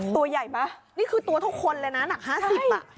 ตัวใหญ่ป่ะนี่คือตัวเท่าคนเลยนะหนัก๕๐อ่ะ